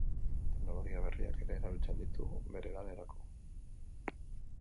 Teknologia berriak ere erabiltzen ditu bere lanerako.